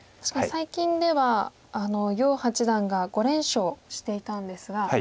確かに最近では余八段が５連勝していたんですが。